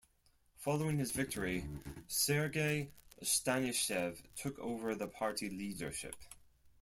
Following his victory, Sergei Stanishev took over the party leadership.